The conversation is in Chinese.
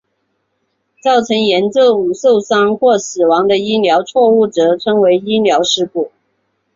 造成严重受伤或死亡的医疗错误则称为医疗事故。